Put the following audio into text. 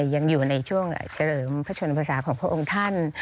ยังอยู่ในช่วงเฉลิมพระชนภาษาของพระองค์ท่าน